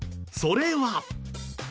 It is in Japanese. それは。